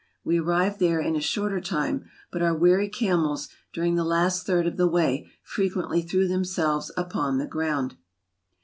We arrived there in a shorter time, but our weary camels, during the last third of the way, frequently threw themselves upon the ground.